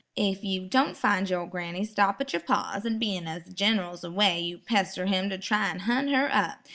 "Ef you don' fin' your granny, stop at yer pa's an' bein' as the Gin'ral's away yer pester him to try an' hunt her up.